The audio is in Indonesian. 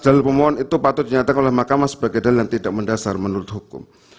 jalur pemohon itu patut dinyatakan oleh mahkamah sebagai hal yang tidak mendasar menurut hukum